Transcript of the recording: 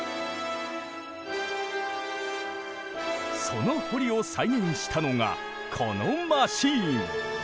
その堀を再現したのがこのマシーン。